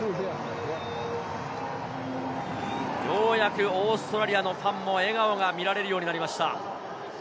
ようやくオーストラリアのファンも笑顔が見られるようになりました。